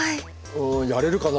うんやれるかな